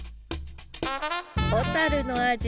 小の味